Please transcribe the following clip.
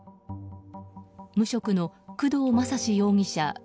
無職の工藤正嗣容疑者